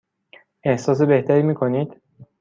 احساس بهتری می کنید؟